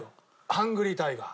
ハングリータイガー。